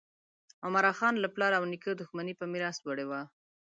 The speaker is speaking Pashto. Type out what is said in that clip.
عمراخان له پلار او نیکه دښمني په میراث وړې وه.